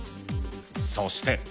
そして。